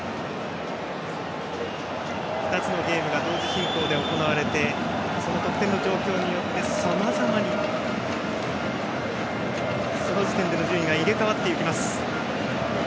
２つのゲームが同時進行で行われてその得点状況によってさまざまにその時点での順位が入れ替わっていきます。